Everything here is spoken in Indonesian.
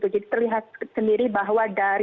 jadi terlihat sendiri bahwa dari